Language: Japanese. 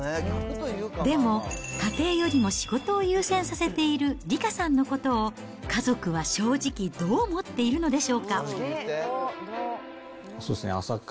でも、家庭よりも仕事を優先させている理佳さんのことを、家族は正直、どう思っているのでしょうか。